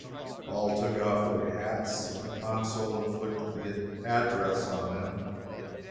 All took off their hats, and the Consul inflicted the address on him.